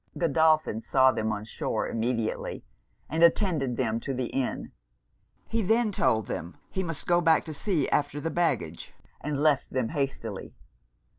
Godolphin saw them on shore immediately, and attended them to the inn. He then told them he must go back to see after the baggage, and left them hastily.